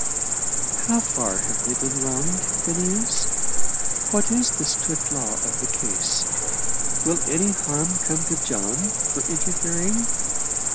"How far have they been wronged, Phineas? What is the strict law of the case? Will any harm come to John for interfering?"